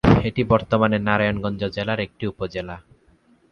এটি বর্তমানে নারায়ণগঞ্জ জেলার একটি উপজেলা।